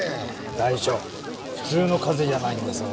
大将普通の風邪じゃないんだぞ。